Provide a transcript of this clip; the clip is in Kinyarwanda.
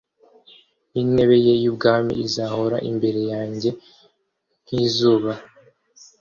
n’intebe ye y’ubwami izahoraho imbere yanjye nk’izuba